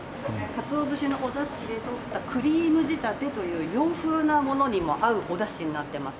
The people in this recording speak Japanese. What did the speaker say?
かつお節のおだしで取ったクリーム仕立てという洋風なものにも合うおだしになってます。